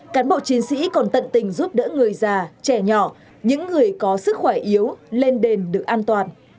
cán bộ chiến sĩ còn tận tình giúp đỡ người già trẻ nhỏ những người có sức khỏe yếu lên đền được an toàn